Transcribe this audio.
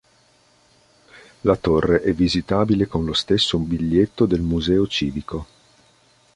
La torre è visitabile con lo stesso biglietto del Museo Civico.